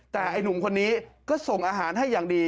แต่ไอ้หนุ่มคนนี้ก็ส่งอาหารให้อย่างดี